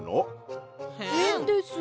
へんです。